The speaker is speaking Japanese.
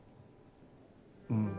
うん。